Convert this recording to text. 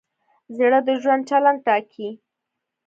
زړه د ژوند چلند ټاکي.